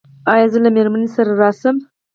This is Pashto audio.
ایا زه له میرمنې سره راشم؟